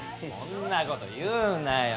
そんなこと言うなよ。